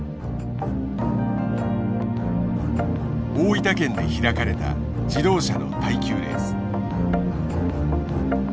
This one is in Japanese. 大分県で開かれた自動車の耐久レース。